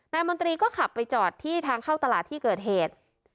มนตรีก็ขับไปจอดที่ทางเข้าตลาดที่เกิดเหตุ